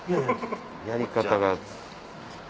やり方が。